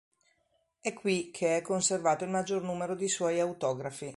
È qui che è conservato il maggior numero di suoi autografi.